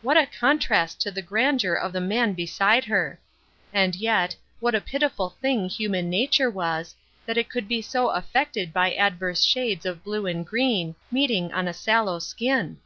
What a contrast to the gran deur of the man beside her ! And yet, what a pitiful thing human nature was, that it could be so affected by adverse shades of blue and green, meeting on a sallow skin